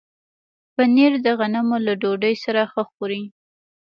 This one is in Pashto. پنېر د غنمو له ډوډۍ سره ښه خوري.